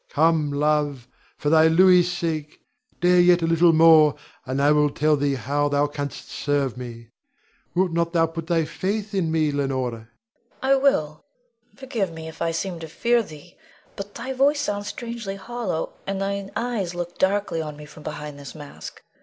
Come, love, for thy Louis's sake, dare yet a little more, and I will tell thee how thou canst serve me. Wilt thou not put thy faith in me, Leonore? Leonore. I will. Forgive me, if I seem to fear thee; but thy voice sounds strangely hollow, and thine eyes look darkly on me from behind this mask.